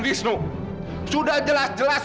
wisnu untuk menghidupkan mereka